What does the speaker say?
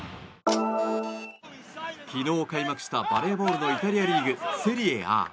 昨日開幕した、バレーボールのイタリアリーグ・セリエＡ。